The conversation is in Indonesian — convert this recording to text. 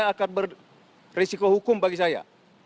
akan berisiko hukum bagi saya